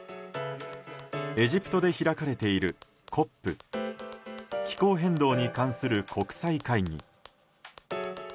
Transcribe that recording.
エジプトで開かれているＣＯＰ気候変動に関する国際会議。